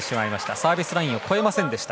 サービスラインを越えませんでした。